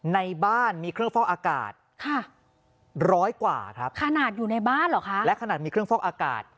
ในบ้านมีเครื่องฟอกอากาศค่ะร้อยกว่าครับขนาดอยู่ในบ้านเหรอคะและขนาดมีเครื่องฟอกอากาศ